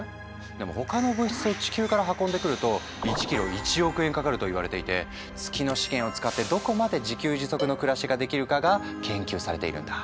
でも他の物質を地球から運んでくると１キロ１億円かかるといわれていて月の資源を使ってどこまで自給自足の暮らしができるかが研究されているんだ。